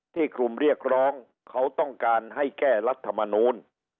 กลุ่มเรียกร้องเขาต้องการให้แก้รัฐมนูล